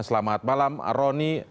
selamat malam rony